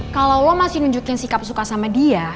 kalau lo masih nunjukin sikap suka sama dia